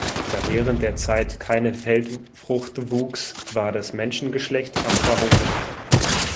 Da während der Zeit keine Feldfrucht wuchs, war das Menschengeschlecht am Verhungern.